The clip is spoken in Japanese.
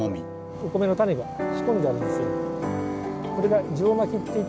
お米の種が仕込んであるんですよ。